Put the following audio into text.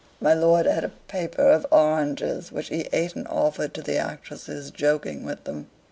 My lord had a paper of oranges, which he ate and offered to the actresses, joking with them.